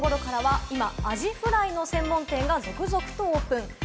９時２５分頃からは今、アジフライの専門店が続々とオープン。